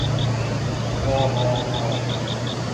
วอ หอ ฮอ